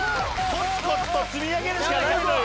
コツコツと積み上げるしかないのよ。